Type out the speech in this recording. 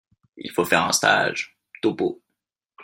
Il faut faire un stage." Topeau .